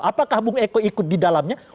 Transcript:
apakah bung eko ikut di dalamnya